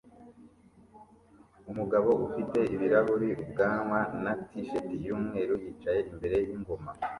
umugabo ufite ibirahuri ubwanwa na t-shirt yumweru yicaye imbere yingoma